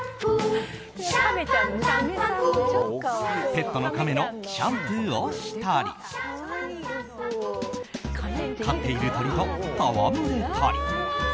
ペットのカメのシャンプーをしたり飼っている鳥と戯れたり。